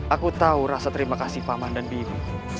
aku tahu rasa terima kasih paman dan bibi